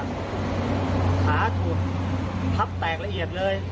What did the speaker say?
ขาถูกทับแตกละเอียดเลย